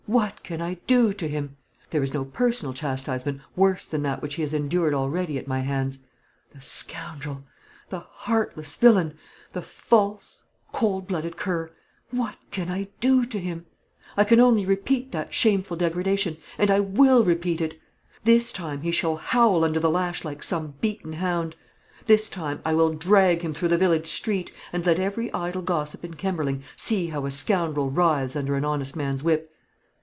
"What can I do to him? There is no personal chastisement worse than that which he has endured already at my hands. The scoundrel! the heartless villain! the false, cold blooded cur! What can I do to him? I can only repeat that shameful degradation, and I will repeat it. This time he shall howl under the lash like some beaten hound. This time I will drag him through the village street, and let every idle gossip in Kemberling see how a scoundrel writhes under an honest man's whip.